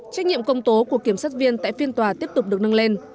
trách nhiệm công tố của kiểm sát viên tại phiên tòa tiếp tục được nâng lên